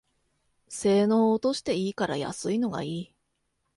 性能落としていいから安いのがいい